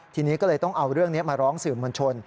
ทีนี้ก็เลยต้องเอาเรื่องนี้มาร้องสื่อมวลชน